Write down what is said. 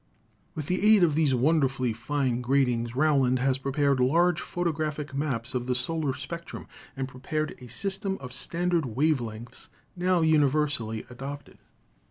With the aid of these wonderfully fine gratings Rowland has prepared large photographic maps of the solar spectrum and prepared a system of standard wave lengths now universally adopted.